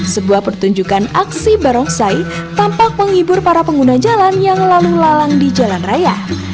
sebuah pertunjukan aksi barongsai tampak menghibur para pengguna jalan yang lalu lalang di jalan raya